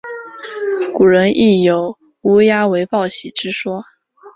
古人亦有以乌鸦为报喜之说。